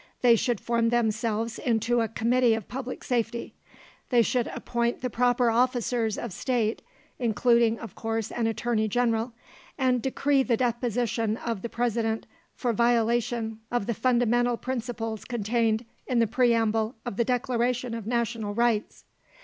They should form themselves into a Committee of Public Safety; they should appoint the proper officers of State (including of course an Attorney General), and decree the deposition of the President for violation of the fundamental principles contained in the preamble of the Declaration of National Rights.